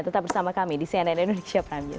tetap bersama kami di cnn indonesia prime news